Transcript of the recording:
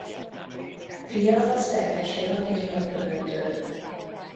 Fia Szepesi Attila költő.